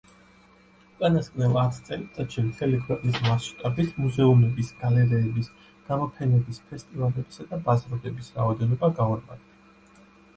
უკანასკნელ ათ წელიწადში მთელი ქვეყნის მასშტაბით მუზეუმების, გალერეების, გამოფენების, ფესტივალებისა და ბაზრობების რაოდენობა გაორმაგდა.